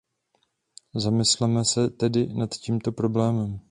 Zamysleme se tedy nad tímto problémem.